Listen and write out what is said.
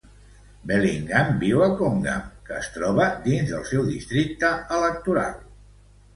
Bellingham viu a Congham, que es troba dins del seu districte electoral.